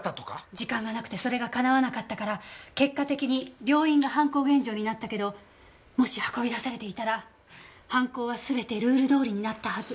時間がなくてそれがかなわなかったから結果的に病院が犯行現場になったけどもし運び出されていたら犯行は全てルールどおりになったはず。